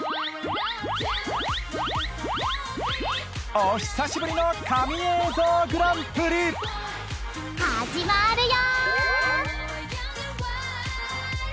お久しぶりの神映像グランプリはじまるよ